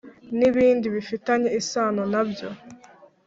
n ibindi bifitanye isano nabyo